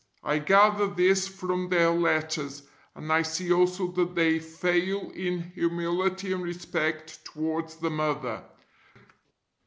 I gather this from their letters, and I see also that they fail in humility and respect towards the Mother.